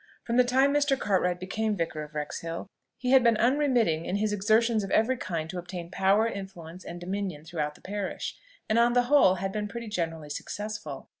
From the time Mr. Cartwright became Vicar of Wrexhill, he had been unremitting in his exertions of every kind to obtain power, influence, and dominion throughout the parish, and, on the whole, had been pretty generally successful.